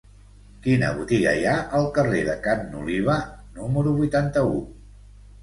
Quina botiga hi ha al carrer de Ca n'Oliva número vuitanta-u?